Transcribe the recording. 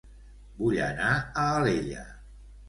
Vull anar a Alella